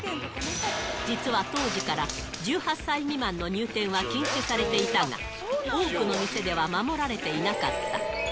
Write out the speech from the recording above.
実は当時から、１８歳未満の入店は禁止されていたが、多くの店では守られていなかった。